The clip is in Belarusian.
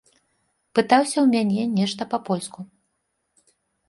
Пытаўся ў мяне нешта па-польску.